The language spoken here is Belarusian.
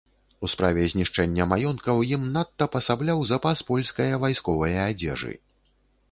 У справе знішчэння маёнткаў ім надта пасабляў запас польскае вайсковае адзежы.